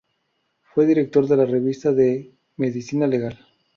Fue director de la Revista de de Medicina Legal.